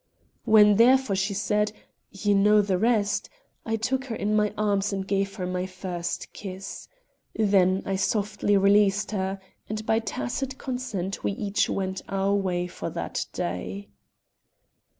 When therefore she said, "You know the rest," I took her in my arms and gave her my first kiss. Then I softly released her, and by tacit consent we each went our way for that day.